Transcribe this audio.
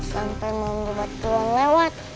sampai mau ngebuat uang lewat